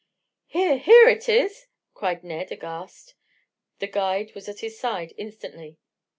"Here! Here it is!" cried Ned aghast. The guide was at his side instantly.